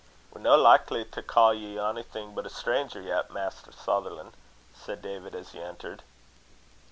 "We're no lik'ly to ca' ye onything but a stranger yet, Maister Sutherlan'," said David, as he entered.